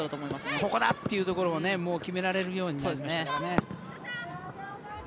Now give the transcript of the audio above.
ここだというのを決められるようになりましたからね。